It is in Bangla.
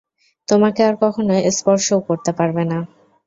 তোমাকে আর কখনো স্পর্শও করতে পারবেনা।